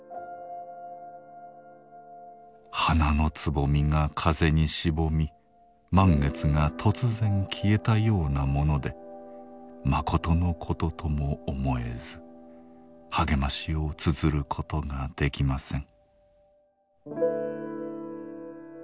花のつぼみが風にしぼみ満月が突然消えたようなものでまことのこととも思えず励ましを綴ることができません。